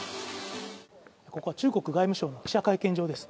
ここ中国外務省の記者会見場です。